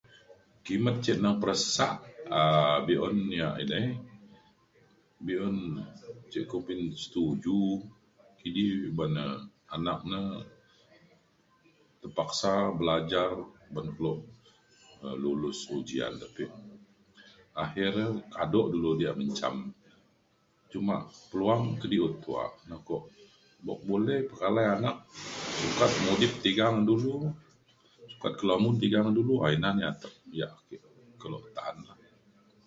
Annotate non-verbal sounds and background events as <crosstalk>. kimet cin ne peresak um be'un ia' edei be'un ce kumbin setuju kidi uban um anak ne terpaksa belajar ban kelo lulus ujian tapi akhir e kado dulu diak menjam cuma peluang kediut tuak ne ko bok bole pekalai anak <noise> sukat mudip tiga ngan dulu sukat kelamun tiga ngan dulu ina na ia' atek ke kelo ta'an